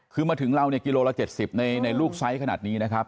คือมาถึงเราเนี่ยกิโลละ๗๐ในลูกไซส์ขนาดนี้นะครับ